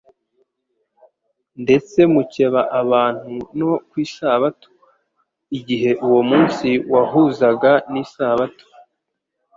ndetse mukeba abantu no ku isabato.» Igihe uwo munsi wahuzaga n'isabato,